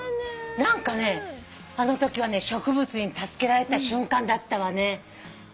何かあのときは植物に助けられた瞬間だったわね。